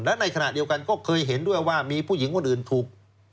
และในขณะเดียวกันก็เคยเห็นด้วยว่ามีผู้หญิงคนอื่นถูก